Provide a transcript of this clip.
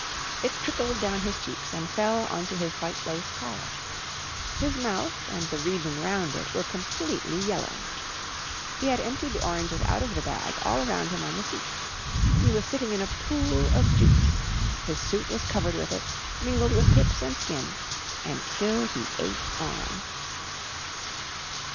It trickled down his cheeks and fell on to his white lace collar. His mouth and the region round it were completely yellow. He had emptied the oranges out of the bag all around him on the seat. He was sitting in a pool of juice. His suit was covered with it, mingled with pips and skin, and still he ate on.